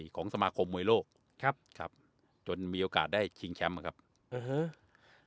ของสมาคมมวยโลกครับครับจนมีโอกาสได้ชิงแชมป์นะครับอื้อฮือ